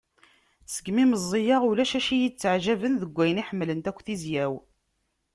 Segmi meẓẓiyeɣ ulac acu iyi-ttaɛǧaben deg wayen i ḥemmlent akk tizya-w.